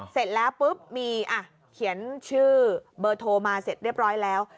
เสร็จแล้วปุ๊บมีเขียนชื่อเบอร์โทรมาเสร็จเรียบร้อยแล้ว